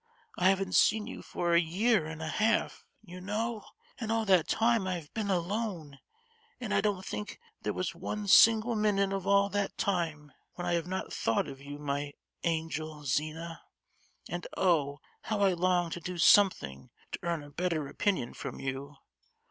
I havn't seen you for a year and a half, you know, and all that time I have been alone; and I don't think there was one single minute of all that time when I have not thought of you, my angel, Zina! And, oh! how I longed to do something to earn a better opinion from you!